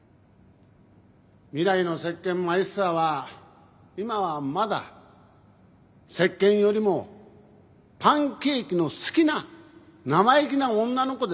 未来の石鹸マイスターは今はまだ石鹸よりもパンケーキの好きな生意気な女の子です。